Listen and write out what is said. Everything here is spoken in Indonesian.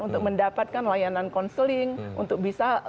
untuk mendapatkan layanan konseling untuk bisa